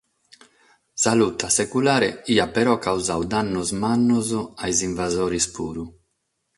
Sa luta seculare aiat però causadu dannos mannos a sos invasores puru.